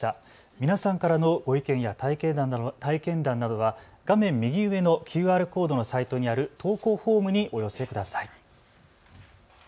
皆さんからのご意見や体験談などは画面右上のＱＲコードのサイトにある投稿フォームよりお寄せください。